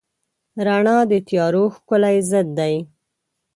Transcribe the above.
رڼا د تیارو ښکلی ضد دی.